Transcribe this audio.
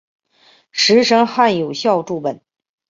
石声汉有校注本。